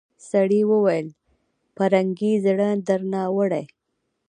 سړي وويل پرنګۍ زړه درنه وړی.